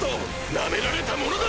ナメられたものだ！